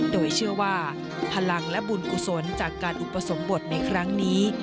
โดยเชื่อว่าพลังและบุญกุศลจากการอุปสมบทในครั้งนี้